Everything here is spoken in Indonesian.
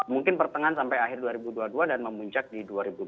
mungkin pertengahan sampai akhir dua ribu dua puluh dua dan memuncak di dua ribu dua puluh